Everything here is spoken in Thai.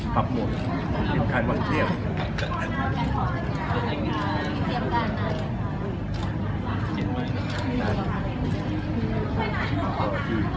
ปรับหมดภายในวันเที่ยว